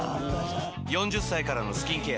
４０歳からのスキンケア